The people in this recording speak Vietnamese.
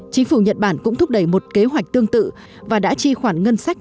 chính phủ nhật bản cũng thúc đẩy một kế hoạch tương tự và đã chi khoản ngân sách